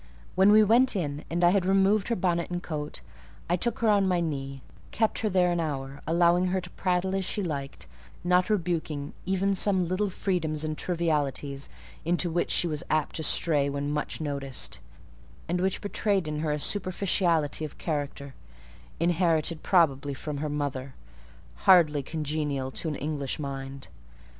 When we went in, and I had removed her bonnet and coat, I took her on my knee; kept her there an hour, allowing her to prattle as she liked: not rebuking even some little freedoms and trivialities into which she was apt to stray when much noticed, and which betrayed in her a superficiality of character, inherited probably from her mother, hardly congenial to an English mind.